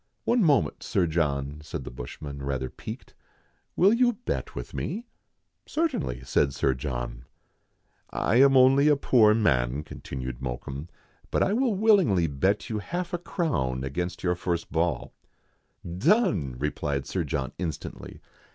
"One moment, Sir John," said the bushman, rather piqued, " will you bet with me ?'*" Certainly," said Sir John. "I am only a poor man," continued Mokoum, "but I will willingly bet you half a crown against your first ball." THREE ENGLISHMEN AND THREE RUSSIANS. I43 " Done !" replied Sir John instantly.